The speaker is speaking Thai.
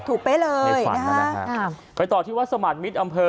เป๊ะเลยในฝันนะฮะไปต่อที่วัดสมาธิมิตรอำเภอ